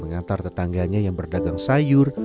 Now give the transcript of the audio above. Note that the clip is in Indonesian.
mengantar tetangganya yang berdagang sayur